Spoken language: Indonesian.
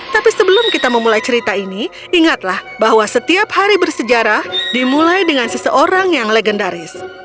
tapi sebelum kita memulai cerita ini ingatlah bahwa setiap hari bersejarah dimulai dengan seseorang yang legendaris